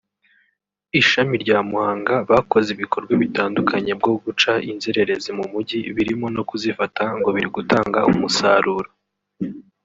Ishami rya Muhanga bakoze ibikorwa bitandukanye bwo guca inzererezi mu Mujyi birimo no kuzifata ngo biri gutanga umusaruro